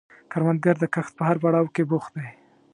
کروندګر د کښت په هر پړاو کې بوخت دی